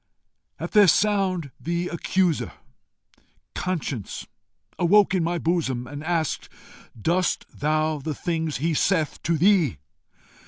At their sound the accuser, Conscience, awoke in my bosom, and asked, 'Doest thou the things he saith to thee?